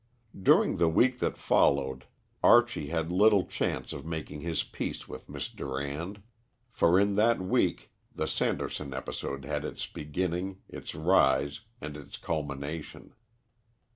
During the week that followed, Archie had little chance of making his peace with Miss Durand, for in that week the Sanderson episode had its beginning, its rise, and its culmination.